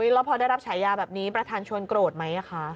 แล้วพอได้รับฉายาแบบนี้ประธานชวนโกรธไหมคะ